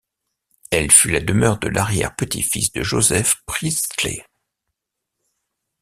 Elle fut la demeure de l'arrière-petit-fils de Joseph Priestley.